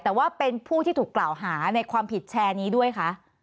แต่ว่าเป็นผู้ที่ถูกกล่าวหาในความผิดแชร์นี้ด้วยคะ